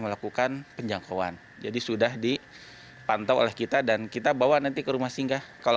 melakukan penjangkauan jadi sudah dipantau oleh kita dan kita bawa nanti ke rumah singgah kalau